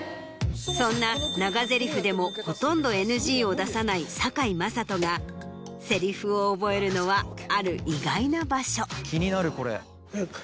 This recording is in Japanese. そんな長台詞でもほとんどＮＧを出さない堺雅人が台詞を覚えるのはある意外な場所。